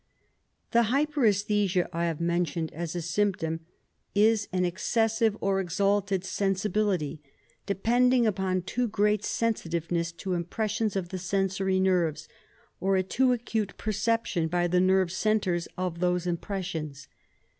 The hypergesthesia I have mentioned as a symptom is an excessive or exalted sensibility, depending upon too great sensitiveness to impressions of the sensory nerves, or a too acute perception by the nerve centres of those impressions.